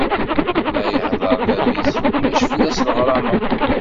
Ma yeḥdeṛ bab-is, ulac fell-as leɣrama.